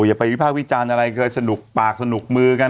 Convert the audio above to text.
อย่าไปวิภาควิจารณ์อะไรเคยสนุกปากสนุกมือกัน